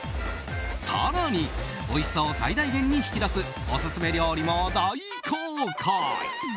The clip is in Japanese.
更に、おいしさを最大限に引き出すオススメ料理も大公開。